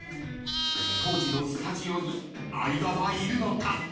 ［当時のスタジオに相葉はいるのか？］